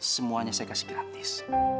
semuanya saya kasih gratis